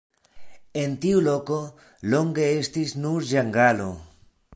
En tiu loko longe estis nur ĝangalo.